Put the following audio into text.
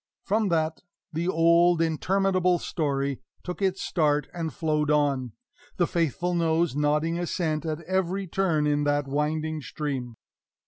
From that the old interminable story took its start and flowed on, the faithful nose nodding assent at every turn in that winding stream.